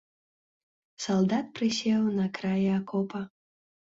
Салдат прысеў на краі акопа.